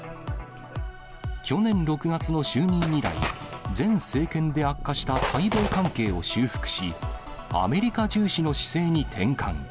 去年６月の就任以来、前政権で悪化した対米関係を修復し、アメリカ重視の姿勢に転換。